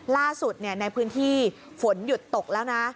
ล่าสุดในพื้นที่ฝนหยุดตกแล้วนะ